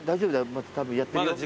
まだたぶんやってるよ。